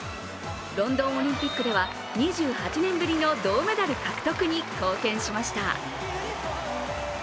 ロンドンオリンピックでは２８年ぶりの銅メダル獲得に貢献しました。